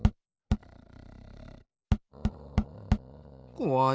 こわい。